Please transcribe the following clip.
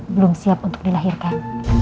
belum siap untuk dilahirkan